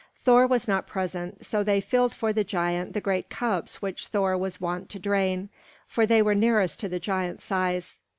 Thor was not present, so they filled for the giant the great cups which Thor was wont to drain, for they were nearest to the giant size.